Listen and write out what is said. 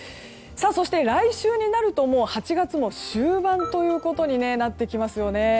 そして来週になると８月も終盤ということになってきますよね。